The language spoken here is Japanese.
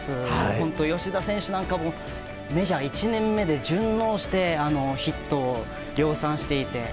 本当に吉田選手なんかもメジャー１年目で順応してヒットを量産していて。